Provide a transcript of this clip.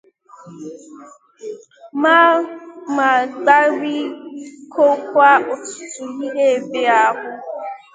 ma gbarikọkwa ọtụtụ ihe ebe ahụ